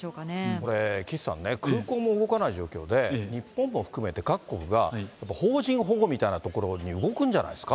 これ、岸さんね、空港も動かない状況で、日本も含めて各国が、邦人保護みたいなところに動くんじゃないですか。